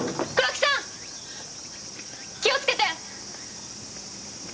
気をつけて！